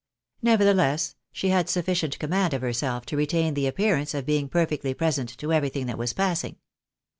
Nevertheless, she had sufficient command of herself to retain the appearance of being perfectly present to everything that was passing.